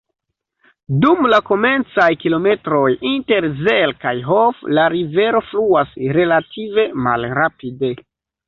Dum la komencaj kilometroj inter Zell kaj Hof la rivero fluas relative malrapide.